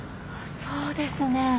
そうですね。